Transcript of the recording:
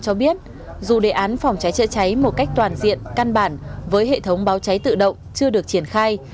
cho biết dù đề án phòng cháy chữa cháy một cách toàn diện căn bản với hệ thống báo cháy tự động chưa được triển khai